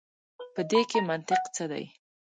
په دې کي منطق څه دی.